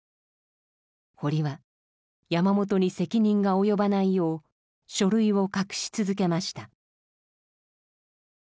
堀は山本に責任が及ばないよう書類を隠し続けました。